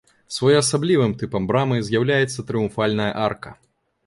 Своеасаблівым тыпам брамы з'яўляецца трыумфальная арка.